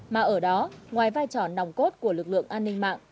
mà ở đó ngoài vai trò nòng cốt của lực lượng an ninh mạng